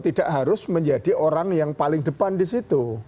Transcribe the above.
tidak harus menjadi orang yang paling depan di situ